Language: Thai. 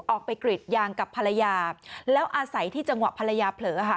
ออกไปกรีดยางกับภรรยาแล้วอาศัยที่จังหวะภรรยาเผลอค่ะ